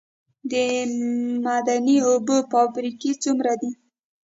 د معدني اوبو فابریکې څومره دي؟